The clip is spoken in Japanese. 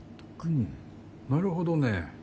うんなるほどね。